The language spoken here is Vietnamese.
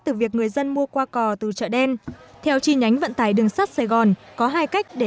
từ việc người dân mua qua cò từ chợ đen theo chi nhánh vận tải đường sắt sài gòn có hai cách để